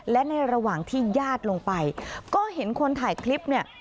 และในระหว่างที่ญาติลงไปก็เห็นคนถ่ายคลิปเนี่ย